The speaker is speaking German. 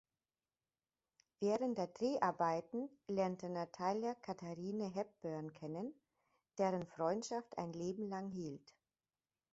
Während der Dreharbeiten lernte Natalia Katharine Hepburn kennen, deren Freundschaft ein Leben lang hielt.